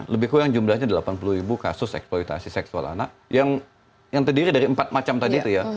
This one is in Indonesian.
lebih kurang jumlahnya delapan puluh ribu kasus eksploitasi seksual anak yang terdiri dari empat macam tadi itu ya